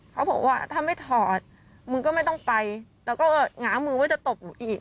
เขาบอกว่าถ้าไม่ถอดมึงก็ไม่ต้องไปแล้วก็ง้ามือว่าจะตบหนูอีก